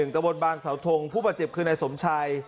ตะบดบางสาวทงผู้ประเจ็บคืนในสมชาย